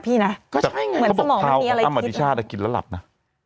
พี่น่ะก็ใช่ไงเหมือนสมองมันมีอะไรพาวของอัมอดิชาติอ่ะกินแล้วหลับน่ะ